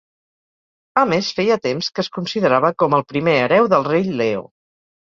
A més, feia temps que es considerava com el primer hereu del Rei Leo.